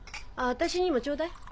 私にもちょうだい。